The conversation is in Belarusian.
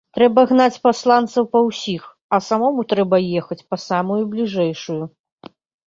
Трэба гнаць пасланцоў па ўсіх, а самому трэба ехаць па самую бліжэйшую.